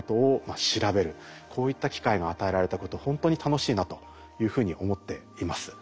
こういった機会が与えられたことほんとに楽しいなというふうに思っています。